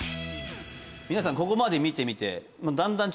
皆さんここまで見てみてだんだん